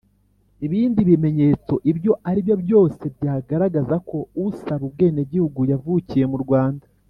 ibindi bimenyetso ibyo aribyo byose byagaragaza ko usaba ubwenegihugu yavukiye mu rwanda